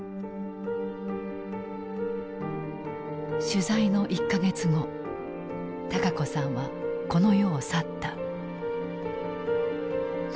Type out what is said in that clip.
取材の１か月後孝子さんはこの世を去った。